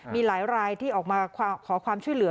มีหลายรายที่ออกมาขอความช่วยเหลือ